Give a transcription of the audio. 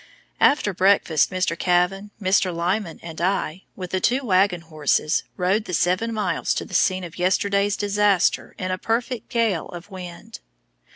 After breakfast, Mr. Kavan, Mr. Lyman, and I, with the two wagon horses, rode the seven miles to the scene of yesterday's disaster in a perfect gale of wind.